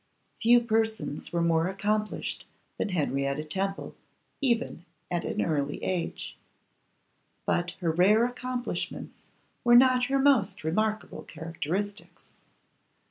Few persons were more accomplished than Henrietta Temple even at an early age; but her rare accomplishments were not her most remarkable characteristics.